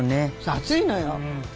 熱いのよ。